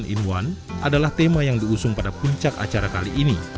dua puluh satu in satu adalah tema yang diusung pada puncak acara kali ini